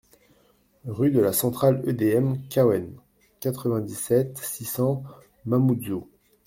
RUE DE LA CENTRALE EDM KAWEN, quatre-vingt-dix-sept, six cents Mamoudzou